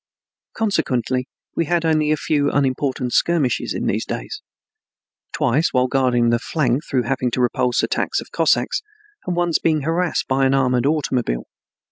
Consequently we had only few and unimportant skirmishes in these days, twice while guarding the flank through having to repulse attacks of Cossacks, and once being harassed by an armored automobile.